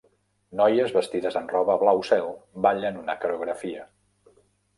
Noies vestides amb roba blau cel ballen una coreografia.